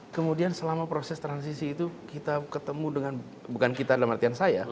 kemudian selama proses transisi itu kita ketemu dengan bukan kita dalam artian saya